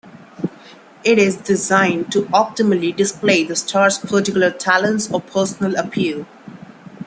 It is designed to optimally display that star's particular talents or personal appeal.